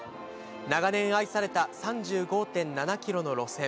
長年、愛された３５．７キロの路線。